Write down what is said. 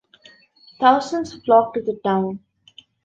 Thousands flock to the town.